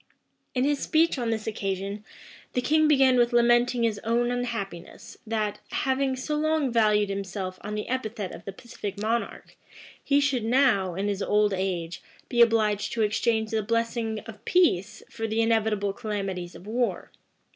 In his speech on this occasion, the king began with lamenting his own unhappiness, that, having so long valued himself on the epithet of the pacific monarch, he should now, in his old age, be obliged to exchange the blessings of peace for the inevitable calamities of war.